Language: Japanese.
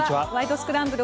スクランブル」